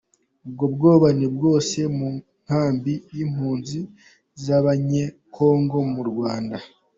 “ Ubwoba ni bwose mu nkambi y’impunzi z’abanyekongo mu Rwanda”